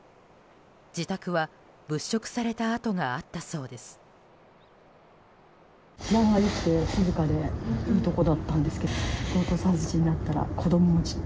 自宅は物色された跡があったそうです。